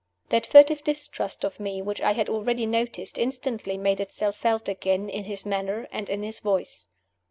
That furtive distrust of me which I had already noticed instantly made itself felt again in his manner and in his voice.